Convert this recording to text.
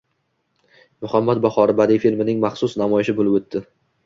«Muhabbat bahori» badiiy filmining maxsus namoyishi bo‘lib o‘tding